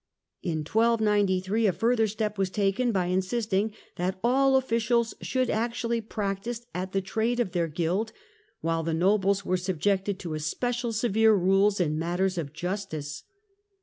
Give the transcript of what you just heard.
In 1293 a further step was taken by insisting that all officials should actually practise at the trade of their guild, while the nobles were subjected to especially severe rules in matters of justice.